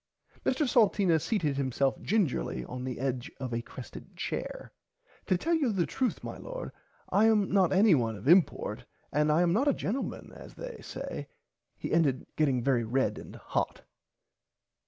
Mr Salteena seated himself gingerly on the edge of a crested chair. To tell you the truth my Lord I am not anyone of import and I am not a gentleman as they say he ended getting very red and hot.